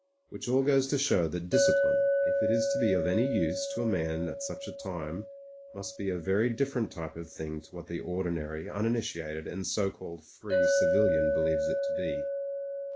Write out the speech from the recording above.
Which all goes to show that discipline, if it is to be of any use to a man at such a time, must be a very dif ferent type of thing to what the ordinary, uninitiated, and so called free civilian believes it to be.